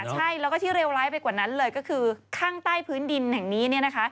ใช่แล้วก็ที่เลวร้ายไปกว่านั้นเลยก็คือข้างใต้พื้นดินแห่งนี้